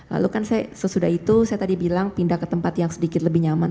lalu kan saya sesudah itu saya tadi bilang pindah ke tempat yang sedikit lebih nyaman